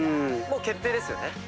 もう決定ですよね？